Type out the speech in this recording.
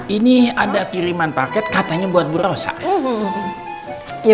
ini ada kiriman paket katanya buat buro saya